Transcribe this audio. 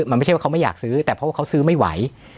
มันไม่ใช่ว่าเขาไม่อยากซื้อแต่เพราะว่าเขาซื้อไม่ไหว